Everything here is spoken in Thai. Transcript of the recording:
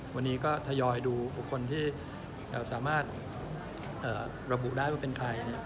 วันนี้ก็ทยอยดูบุคคลที่สามารถระบุได้ว่าเป็นใคร